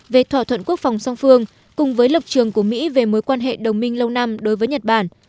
về thỏa thuận quốc phòng song phương cùng với lập trường của mỹ về mối quan hệ đồng minh lâu năm đối với nhật bản